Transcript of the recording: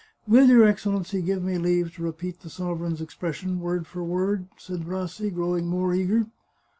Will your Excellency give me leave to repeat the sovereign's expression, word for word?" said Rassi, growing more eager.